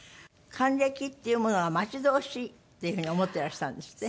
還暦っていうものが待ち遠しいっていう風に思ってらしたんですって？